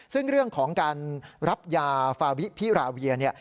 ซึ่งเรื่องของการรับยาฟาวิพิราเวียเนี่ย